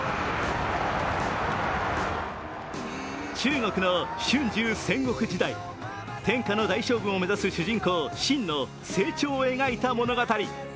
中国の春秋戦国時代、天下の大将軍を目指す主人公・信の成長を描いた物語。